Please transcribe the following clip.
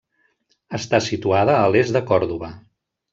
Està situada a l'est de Còrdova.